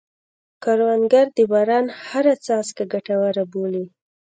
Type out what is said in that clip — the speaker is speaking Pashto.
کروندګر د باران هره څاڅکه ګټوره بولي